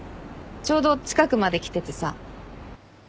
ちょうど近くまで来ててさ。